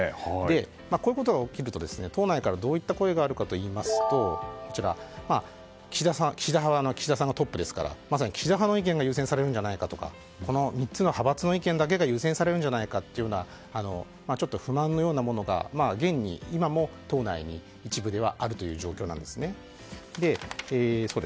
こういうことが起きると党内からどういう声があるかといいますと岸田派は岸田さんがトップですから岸田派の意見が優先されるんじゃないかとか３つの派閥の意見だけが優先されるんじゃないかというちょっと不満のようなものが現に今も党内に一部ではあるという状況なんです。